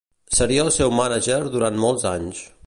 Seria el seu mànager durant molts anys.